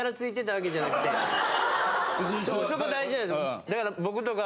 そこ大事なんで。